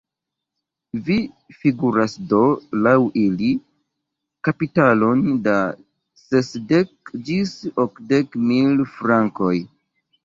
Vi figuras do, laŭ ili, kapitalon da sesdek ĝis okdek mil frankoj.